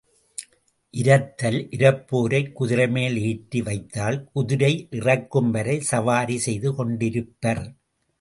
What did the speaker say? இரத்தல் இரப்போரைக் குதிரைமேல் ஏற்றி வைத்தால் குதிரை இறக்கும்வரை சவாரி செய்து கொண்டிருப்பர்.